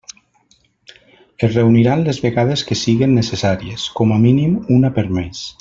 Es reuniran les vegades que siguen necessàries, com a mínim una per mes.